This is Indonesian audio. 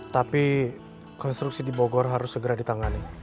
tapi konstruksi di bogor harus segera ditangani